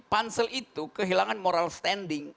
pansel itu kehilangan moral standing